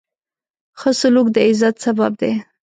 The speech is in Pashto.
ښه سلوک د عزت سبب دی.